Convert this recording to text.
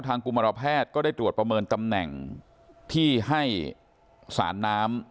กุมารแพทย์ก็ได้ตรวจประเมินตำแหน่งที่ให้สารน้ำ